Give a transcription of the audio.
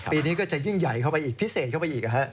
ปีนี้ก็จะยิ่งใหญ่เข้าไปอีกพิเศษเข้าไปอีก